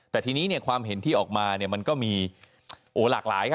แต่ทีนี้เนี่ยความเห็นที่ออกมาเนี่ยมันก็มีโอ้หลากหลายครับ